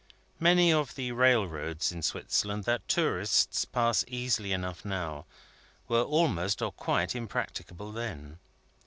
Many of the railroads in Switzerland that tourists pass easily enough now, were almost or quite impracticable then.